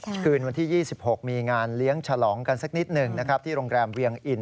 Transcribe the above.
คืนวันที่๒๖มีงานเลี้ยงฉลองกันสักนิดหนึ่งนะครับที่โรงแรมเวียงอิน